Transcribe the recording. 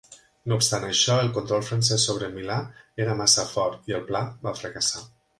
No obstant això, el control francès sobre Milà era massa fort i el pla va fracassar.